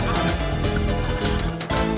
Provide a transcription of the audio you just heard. teganya teganya teganya